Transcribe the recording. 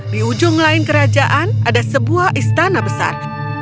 di ujung lain kerajaan ada sebuah istana besar